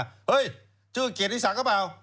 เฮ้ยชื่อเกดที่สั่งกระเป๋า